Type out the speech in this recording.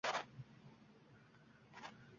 Xo’sh, xola bir boshdan gapirib bering